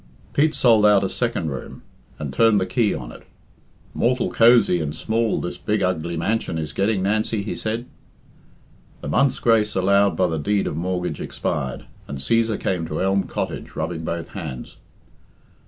Pete sold out a second room, and turned the key on it. "Mortal cosy and small this big, ugly mansion is getting, Nancy," he said. The month's grace allowed by the deed of mortgage expired, and Cæsar came to Elm Cottage rubbing both hands.